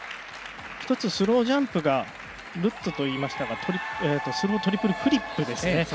１つスロージャンプがルッツと言いましたがスロートリプルフリップですね。